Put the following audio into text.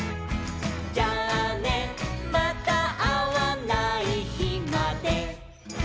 「じゃあねまたあわないひまで」